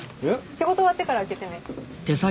仕事終わってから開けてね。